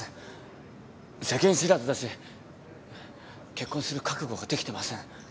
世間知らずだし結婚する覚悟ができてません。